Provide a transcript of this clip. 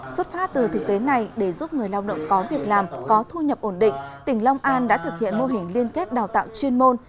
xuất phát từ thực tế này để giúp người lao động có việc làm có thu nhập ổn định tỉnh long an đã thực hiện mô hình liên kết đào tạo chuyên môn